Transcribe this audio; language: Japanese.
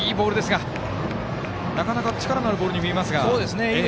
なかなか力のあるボールに見えますが。